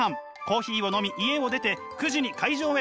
コーヒーを飲み家を出て９時に会場へ到着。